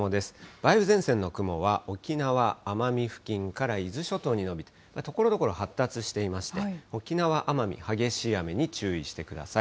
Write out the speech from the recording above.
梅雨前線の雲は、沖縄・奄美付近から伊豆諸島に延びて、ところどころ発達していまして、沖縄・奄美、激しい雨に注意してください。